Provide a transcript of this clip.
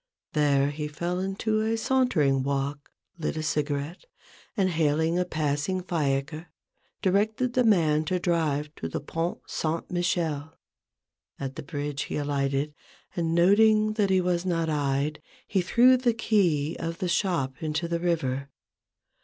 There he fell into a sauntering walk, lit a cigarette, and hailing a passing fiacre. 88 A BOOK OF BARGAINS. directed the man to drive to the Pont Saint Michel. At the bridge he alighted, and noting that he was not eyed, he threw the key of the shop into the river.